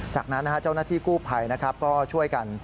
จากนั้นเจ้าหน้าที่กู้ไภก็ช่วยกัน